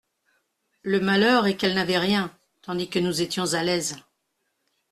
Le malheur est qu'elle n'avait rien, tandis que nous étions à l'aise.